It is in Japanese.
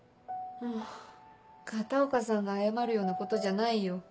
あぁ片岡さんが謝るようなことじゃないよ。